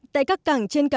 tại các cảng trên cánh